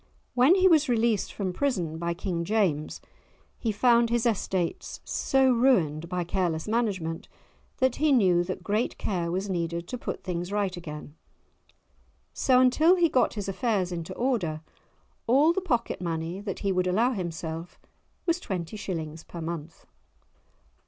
When he was released from prison by King James he found his estates so ruined by careless management that he knew that great care was needed to put things right again; so until he got his affairs into order, all the pocket money that he would allow himself was twenty shillings per month!